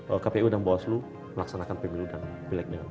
itu kpu dan bawaslu melaksanakan pemilu dan pilih